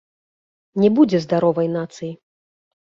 Не будзе здаровай нацыі.